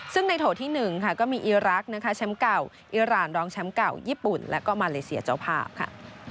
ซึ่งในโถที่๑ค่ะก็มีอีรักษ์นะคะแชมป์เก่าอิราณรองแชมป์เก่าญี่ปุ่นและก็มาเลเซียเจ้าภาพค่ะ